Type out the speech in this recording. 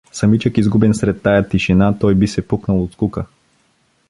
Самичък, изгубен сред тая тишина, той би се пукнал от скука.